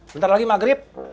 bentar lagi maghrib